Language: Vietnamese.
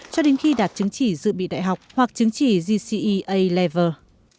cho đến khi đạt chứng chỉ dự bị đại học hoặc chứng chỉ gcea level